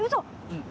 うん。